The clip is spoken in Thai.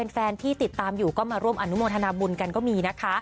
แฟนที่ติดตามอยู่ก็มาร่วมอนุโมทนาบุญกันก็มีนะคะ